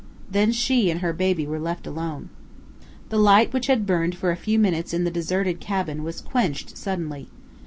Then she and her baby were left alone. The light which had burned for a few minutes in the deserted cabin was quenched suddenly.